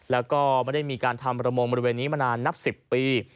แล้วก็ไม่ได้มีการทำประมงบริเวณนี้มานานนับ๑๐ปี